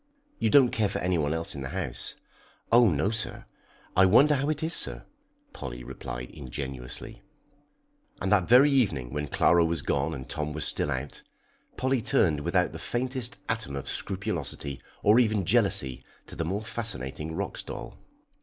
"You don't care for anyone else in the house?" "Oh no, sir. I wonder how it is, sir?" Polly replied ingenuously. And that very evening, when Clara was gone and Tom still out, Polly turned without the faintest atom of scrupulosity, or even jealousy, to the more fascinating Roxdal.